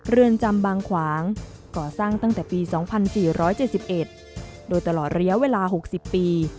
เรือนจำบางขวางก่อสร้างตั้งแต่ปี๒๔๗๑โดยตลอดระยะเวลา๖๐ปี